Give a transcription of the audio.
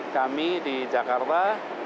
kami di jakarta